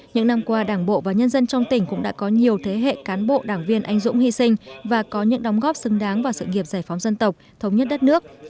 những năm qua đảng bộ và nhân dân trong tỉnh cũng đã có nhiều thế hệ cán bộ đảng viên anh dũng hy sinh và có những đóng góp xứng đáng vào sự nghiệp giải phóng dân tộc thống nhất đất nước